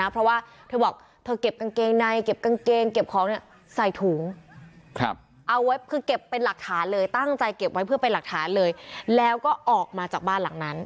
เพราะว่าเธอบอกเธอเก็บกางเกงในเก็บกางเกงเก็บของใส่ถุงเอาไว้คือเก็บเป็นหลักฐานเลยตั้งใจเก็บไว้เพื่อเป็นหลักฐานเลยแล้วก็ออกมาจากบ้านหลังนั้น